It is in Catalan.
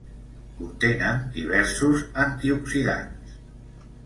Contenen diversos antioxidants.